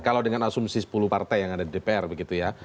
kalau dengan asumsi sepuluh partai yang ada di dpr begitu ya